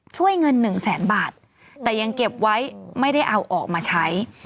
ช่วยเงินหนึ่งแสนบาทแต่ยังเก็บไว้ไม่ได้เอาออกมาใช้